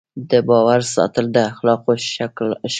د باور ساتل د اخلاقو ښکلا ده.